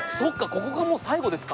ここがもう最後ですか？